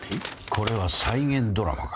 これは再現ドラマか。